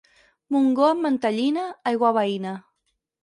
Montgó amb mantellina, aigua veïna.